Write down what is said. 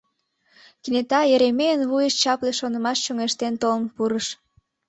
Кенета Еремейын вуйыш чапле шонымаш чоҥештен толын пурыш.